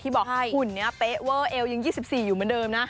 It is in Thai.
ที่บอกขุนเนี่ยเป๊ะว่าเอวยัง๒๔อยู่เหมือนเดิมนะ